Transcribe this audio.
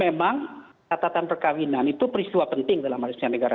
memang catatan perkawinan itu peristiwa penting dalam harusnya negara